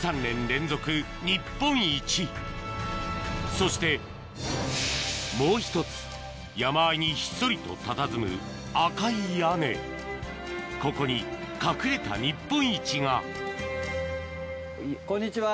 そしてもう１つ山あいにひっそりとたたずむ赤い屋根ここにこんにちは。